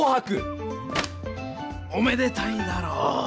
おめでたいだろう？